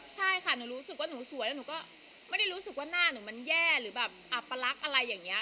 ใช่ค่ะหนูรู้สึกว่าหนูสวยแล้วหนูก็ไม่ได้รู้สึกว่าหน้าหนูมันแย่หรือแบบอัปลักษณ์อะไรอย่างนี้